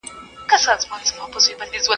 فلمونه د ژوند کیسې بیانوي